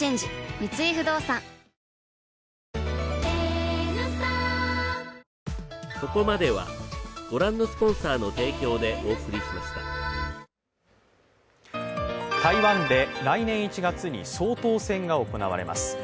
三井不動産台湾で来年１月に総統選が行われます。